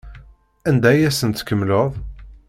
Anda ay asen-tkemmleḍ?